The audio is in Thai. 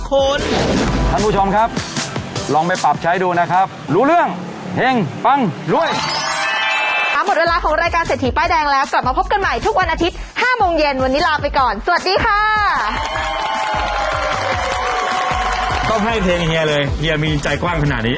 กลับมาพบกันใหม่ทุกวันอาทิตย์๕โมงเย็นวันนี้ลาไปก่อนสวัสดีค่ะ